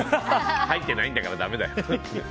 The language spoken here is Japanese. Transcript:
入ってないんだからだめだよ。